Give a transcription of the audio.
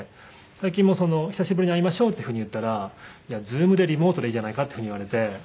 最近も「久しぶりに会いましょう」っていうふうに言ったら「ＺＯＯＭでリモートでいいじゃないか」っていうふうに言われて。